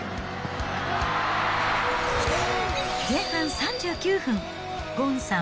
前半３９分、ゴンさん